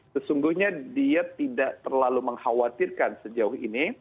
sesungguhnya dia tidak terlalu mengkhawatirkan sejauh ini